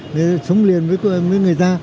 người ta sống liền với người ta